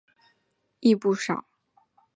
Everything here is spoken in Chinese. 但特急因交换轨道而运转停车的机会亦不少。